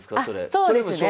そうですね。